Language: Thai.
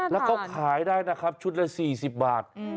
แล้วเขาขายได้นะครับชุดละ๔๐บาท